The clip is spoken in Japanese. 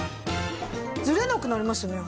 ずれなくなりましたね。